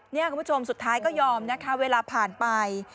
นี่คุณผู้ชมสุดท้ายก็ยอมนะคะเวลาผ่านไป